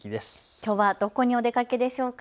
きょうはどこにお出かけでしょうか？